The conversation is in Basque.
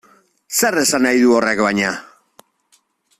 Zer esan nahi du horrek baina?